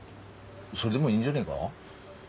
それでもいいんじゃねえが？